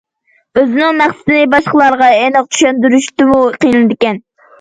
ئۆزىنىڭ مەقسىتىنى باشقىلارغا ئېنىق چۈشەندۈرۈشتىمۇ قىينىلىدىكەن.